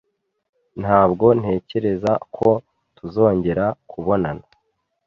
Ntabwo ntekereza ko tuzongera kubonana.